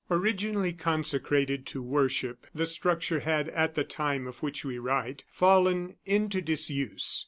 Originally consecrated to worship, the structure had, at the time of which we write, fallen into disuse.